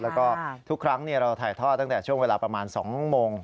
แล้วก็ทุกครั้งเราถ่ายทอดตั้งแต่ช่วงเวลาประมาณ๒โมง